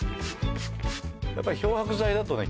やっぱり漂白剤だとね